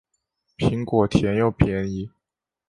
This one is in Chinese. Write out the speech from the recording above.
苹果甜又便宜